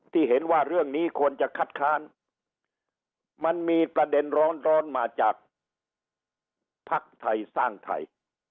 ที่เห็นว่าเรื่องนี้ควรจะคัดค้านมันมีประเด็นร้อนมาจากภักดิ์ไทยสร้างไทย